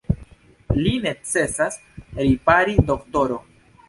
Lin necesas ripari, doktoro.